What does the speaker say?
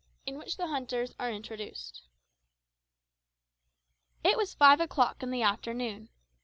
IN WHICH THE HUNTERS ARE INTRODUCED. It was five o'clock in the afternoon.